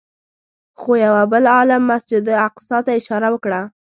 خو یوه بل عالم مسجد اقصی ته اشاره وکړه.